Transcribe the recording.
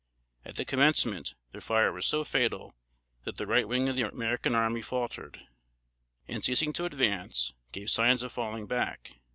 At the commencement, their fire was so fatal that the right wing of the American army faltered, and ceasing to advance, gave signs of falling back.